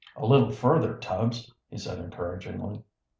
"A little further, Tubbs," he said encouragingly.